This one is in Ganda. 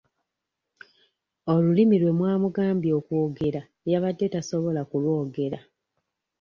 Olulimi lwe mwamugambye okwogera yabadde tasobola kulwogera.